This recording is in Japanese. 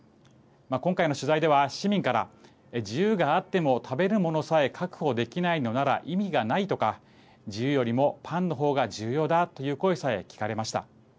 今回の取材では市民から自由があっても食べるものさえ確保できないのなら意味がないとか自由よりもパンの方が重要だという声さえ聞かれました。